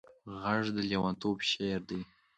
غږ د لېونتوب شعر دی